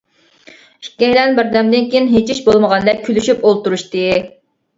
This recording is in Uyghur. ئىككىيلەن بىردەمدىن كېيىن، ھېچ ئىش بولمىغاندەك كۈلۈشۈپ ئولتۇرۇشتى.